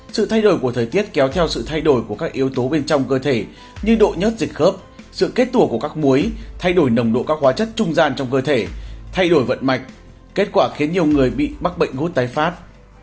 sự thay đổi của thời tiết kéo theo sự thay đổi của các yếu tố bên trong cơ thể như độ nhớt dịch khớp sự kết tụa của các muối thay đổi nồng độ các hóa chất trung gian trong cơ thể thay đổi vận mạch kết quả khiến nhiều người bị mắc bệnh gút tái phát